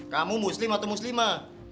kamu muslim atau muslima